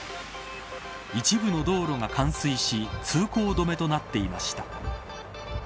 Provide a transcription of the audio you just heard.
一部の道路が冠水し通行止めとなっていました。